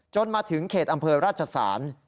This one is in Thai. มาถึงเขตอำเภอราชสาร